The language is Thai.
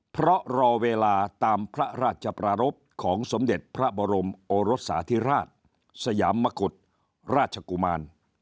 เพราะรอเวลาตามพระราชประรบของสมเด็จพระบรมโอรสสาธิราชสยามมกุฎราชกุมาร